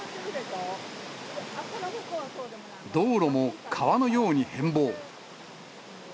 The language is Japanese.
道路も川のように変貌。